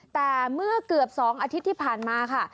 แต่เมื่อเกือบ๒อาทิตย์ที่ผ่านมาค่ะ